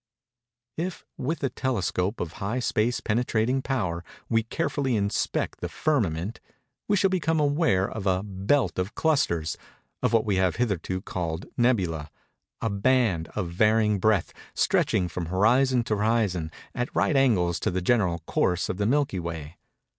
If, with a telescope of high space penetrating power, we carefully inspect the firmament, we shall become aware of a belt of clusters—of what we have hitherto called "nebulæ"—a band, of varying breadth, stretching from horizon to horizon, at right angles to the general course of the Milky Way.